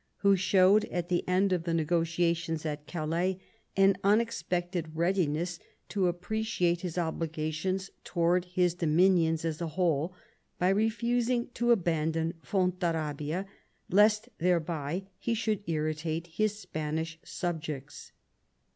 who showed at the end of the negotiations at Calais an un expected readiness to appreciate his obligations towards his dominions as a whole, by refusing to abandon Fontarabia lest thereby he should irritate his Spanish subjects.